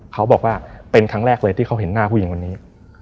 เขาบอกว่าเป็นครั้งแรกเลยที่เขาเห็นหน้าผู้หญิงวันนี้